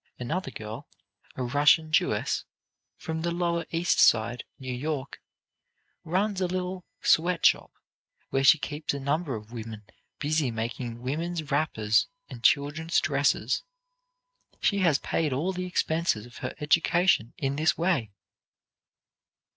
Another girl, a Russian Jewess, from the lower East Side, New York, runs a little "sweat shop," where she keeps a number of women busy making women's wrappers and children's dresses. She has paid all the expenses of her education in this way.